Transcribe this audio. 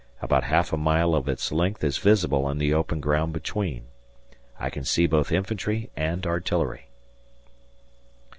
About half a mile of its length is visible in the open ground between. I can see both infantry and artillery."